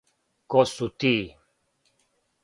Ко су ти?